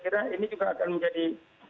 kira ini juga akan menjadi